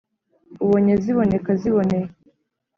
Ubonye ziboneka ziboneye